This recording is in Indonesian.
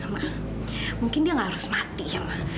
ma mungkin dia gak harus mati ya ma